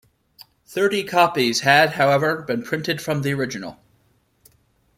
Thirty copies had, however, been printed from the original.